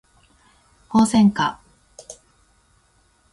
ホウセンカ